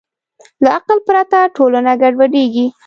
له عقل پرته ټولنه ګډوډېږي.